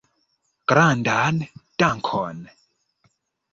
Grandan dankon!